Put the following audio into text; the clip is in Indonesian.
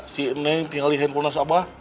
si neng tinggal lihat kondisi abah